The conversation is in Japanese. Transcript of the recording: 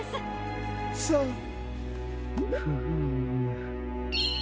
フーム。